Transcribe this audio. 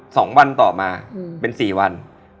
สองวันต่อมาอืมเป็นสี่วัน